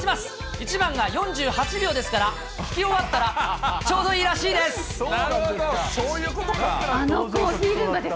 １番が４８秒ですから、聴き終わったらちょうどいいらしいです。